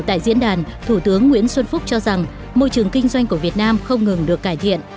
thủ tướng nguyễn xuân phúc cho rằng môi trường kinh doanh của việt nam không ngừng được cải thiện